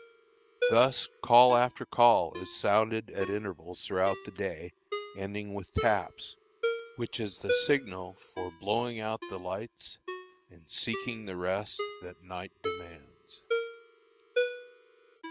Thus call after call is sounded at intervals throughout the day, ending with "taps," which is the signal for blowing out the lights, and seeking the rest which night demands.